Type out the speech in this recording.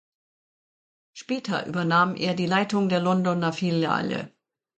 Später übernahm er die Leitung der Londoner Filiale.